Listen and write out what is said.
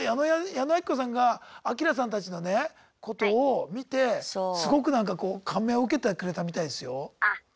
矢野顕子さんがアキラさんたちのねことを見てすごくなんかこう感銘を受けてくれたみたいですよ。